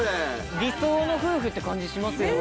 理想の夫婦って感じしますよね。